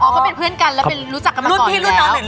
อ๋อเขาเป็นเพื่อนกันแล้วเป็นรู้จักกันมาก่อนอีกแล้ว